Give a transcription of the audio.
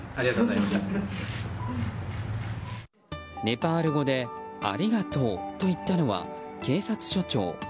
ネパール語でありがとうと言ったのは警察署長。